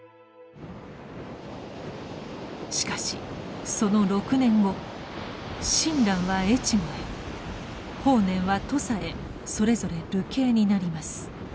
しかしその６年後親鸞は越後へ法然は土佐へそれぞれ流刑になります。